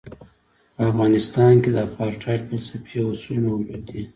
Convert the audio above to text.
په افغانستان کې د اپارټایډ فلسفي اصول موجود دي.